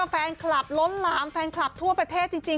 แฟนคลับล้นหลามแฟนคลับทั่วประเทศจริง